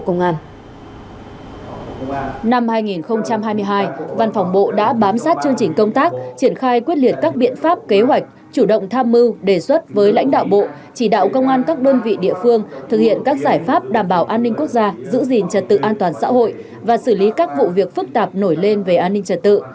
năm hai nghìn hai mươi hai văn phòng bộ đã bám sát chương trình công tác triển khai quyết liệt các biện pháp kế hoạch chủ động tham mưu đề xuất với lãnh đạo bộ chỉ đạo công an các đơn vị địa phương thực hiện các giải pháp đảm bảo an ninh quốc gia giữ gìn trật tự an toàn xã hội và xử lý các vụ việc phức tạp nổi lên về an ninh trật tự